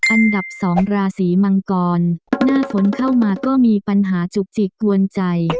อันดับ๒ราศีมังกรหน้าฝนเข้ามาก็มีปัญหาจุกจิกกวนใจ